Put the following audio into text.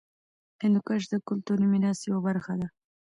هندوکش د کلتوري میراث یوه برخه ده.